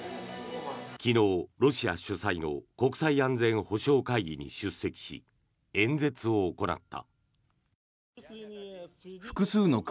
昨日、ロシア主催の国際安全保障会議に出席し演説を行った。